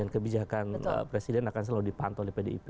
dan kebijakan presiden akan selalu dipantau oleh pdip